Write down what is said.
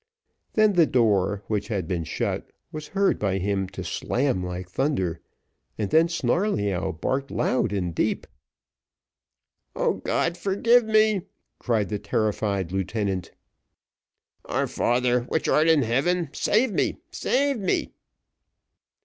Then the door, which had been shut, was heard by him to slam like thunder; and then Snarleyyow barked loud and deep. "Oh! God forgive me!" cried the terrified lieutenant. "Our Father which art in heaven save me save me!"